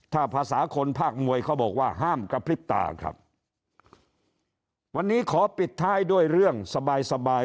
ถ้าภาษาคนภาคมวยเขาบอกว่าห้ามกระพริบตาครับวันนี้ขอปิดท้ายด้วยเรื่องสบายสบาย